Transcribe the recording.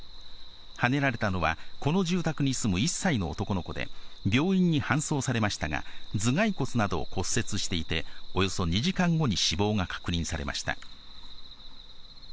はねられたのは、この住宅に住む１歳の男の子で、病院に搬送されましたが、頭蓋骨などを骨折していて、およそ２時間後に死亡が確認されました。